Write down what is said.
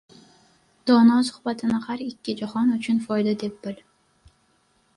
— Dono suhbatini har ikki jahon uchun foyda deb bil.